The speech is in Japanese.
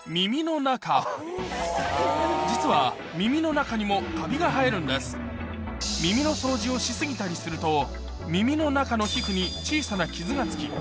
実は耳の中にもカビが生えるんです耳の掃除をし過ぎたりすると耳の中の皮膚に小さな傷がつき